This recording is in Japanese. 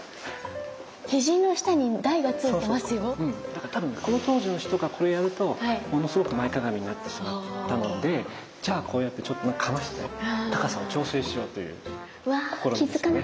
だから多分この当時の人がこれやるとものすごく前かがみになってしまったのでじゃあこうやってちょっとかませて高さを調整しようという試みですね。